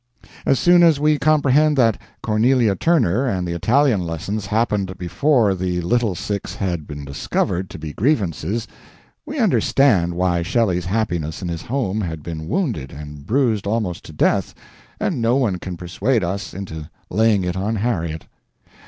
As soon as we comprehend that Cornelia Turner and the Italian lessons happened before the little six had been discovered to be grievances, we understand why Shelley's happiness in his home had been wounded and bruised almost to death, and no one can persuade us into laying it on Harriet.